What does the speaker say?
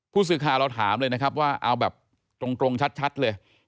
ผู้สื่อข่าวเราถามเลยนะครับว่าเอาแบบตรงชัดเลย